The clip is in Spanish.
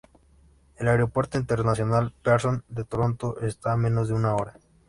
El aeropuerto Internacional Pearson de Toronto está a menos de una hora.